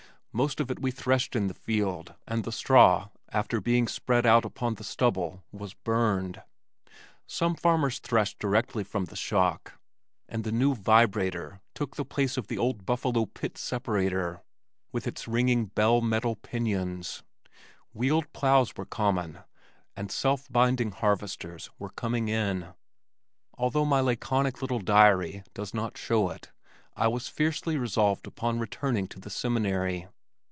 Most of it we threshed in the field and the straw after being spread out upon the stubble was burned. Some farmers threshed directly from the shock, and the new "Vibrator" took the place of the old Buffalo Pitts Separator with its ringing bell metal pinions. Wheeled plows were common and self binding harvesters were coming in. Although my laconic little diary does not show it, I was fiercely resolved upon returning to the Seminary.